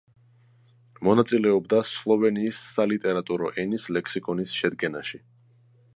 მონაწილეობდა „სლოვენიის სალიტერატურო ენის ლექსიკონის“ შედგენაში.